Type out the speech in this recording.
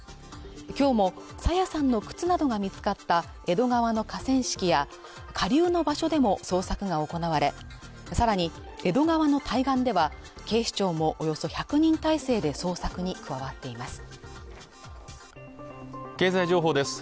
今日も朝芽さんの靴などが見つかった江戸川の河川敷や下流の場所でも捜索が行われ更に江戸川の対岸では警視庁もおよそ１００人態勢で捜索に加わっています